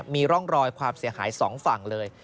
มีร่องรอยความเสียหาย๒ฝั่งเลย